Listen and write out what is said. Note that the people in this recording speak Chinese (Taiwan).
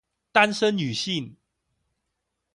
單身女性